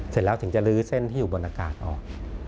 เสร็จแล้วถึงจะลื้อเส้นที่อยู่บนอากาศออก